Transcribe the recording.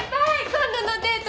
今度のデート